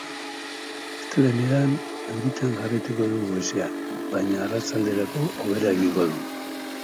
Astelehenean, euritan jarraituko dugu goizean, baina arratsalderako hobera egingo du.